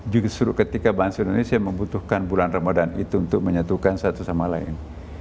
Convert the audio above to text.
justru ketika bangsa indonesia membutuhkan bulan ramadhan itu untuk menyatukan satu sama lain